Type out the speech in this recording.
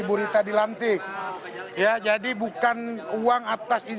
nggak ada nggak ada nggak ada